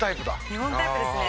「２本タイプですね」